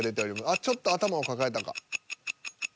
あっちょっと頭を抱えたか。